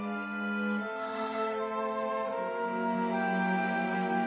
はあ。